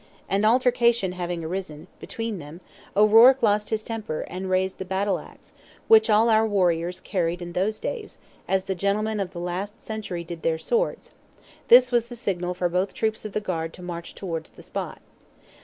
An altercation having arisen, between them, O'Ruarc lost his temper, and raised the battle axe, which all our warriors carried in those days, as the gentlemen of the last century did their swords; this was the signal for both troops of guards to march towards the spot.